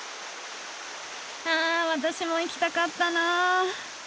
あ私も行きたかったな。